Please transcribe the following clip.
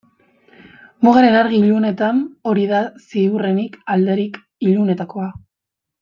Mugaren argi-ilunetan hori da ziurrenik alderik ilunenetakoa.